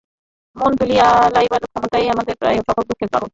মন তুলিয়া লইবার অক্ষমতাই আমাদের প্রায় সকল দুঃখের কারণ।